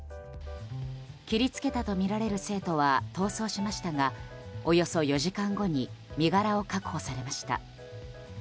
切りつけたとみられる生徒は逃走しましたがおよそ４時間後に身柄を確保されました。